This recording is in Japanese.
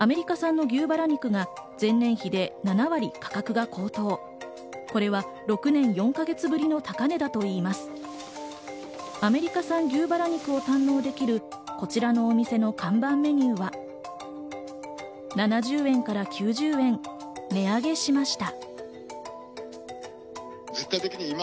アメリカ産牛バラ肉を堪能できるこちらのお店の看板メニューは７０円から９０円値上げしました。